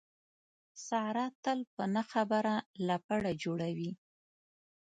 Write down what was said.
ساره تل په نه خبره لپړه جوړوي.